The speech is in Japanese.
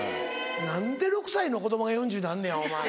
何で６歳の子供が４０になんねやお前。